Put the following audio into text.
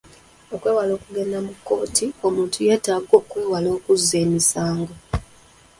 Okwewala okugenda mu kkooti omuntu yeetaaga okwewala okuzza emisango.